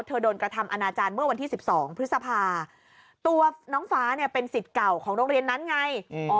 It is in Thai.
โดนกระทำอนาจารย์เมื่อวันที่๑๒พฤษภาตัวน้องฟ้าเนี่ยเป็นสิทธิ์เก่าของโรงเรียนนั้นไง